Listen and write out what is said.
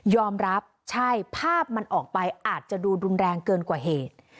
รับใช่ภาพมันออกไปอาจจะดูรุนแรงเกินกว่าเหตุ